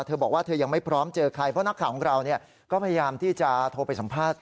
เธอบอกว่าเธอยังไม่พร้อมเจอใครเพราะนักข่าวของเราก็พยายามที่จะโทรไปสัมภาษณ์